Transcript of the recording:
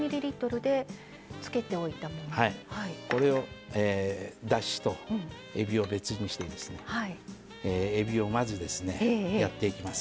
これをだしとえびを別にしてえびをまずですねやっていきます。